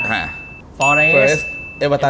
เพาเมสฟอเรสเอเวอตัน